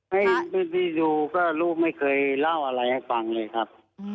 ไม่มีที่ดูก็รู้ไม่เคยเล่าอะไรให้ฟังเลยครับ